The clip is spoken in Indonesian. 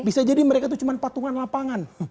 bisa jadi mereka itu cuma patungan lapangan